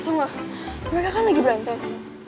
eh tunggu mereka kan lagi berantem